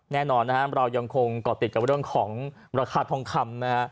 แน่นอนนะครับเรายังคงเกาะติดกับเรื่องของราคาทองคำนะฮะ